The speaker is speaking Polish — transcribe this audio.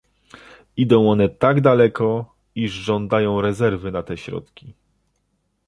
Idą one tak daleko, iż żądają rezerwy na te środki